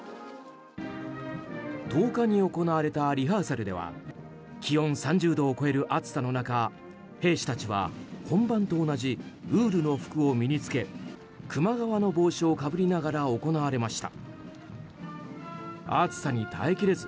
１０日に行われたリハーサルでは気温３０度を超える暑さの中兵士たちは本番と同じウールの服を身に着けクマ皮の帽子をかぶりながら行われました。